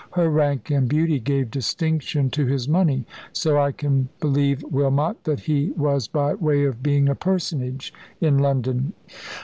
Her rank and beauty gave distinction to his money; so I can believe Wilmot that he was by way of being a personage in London."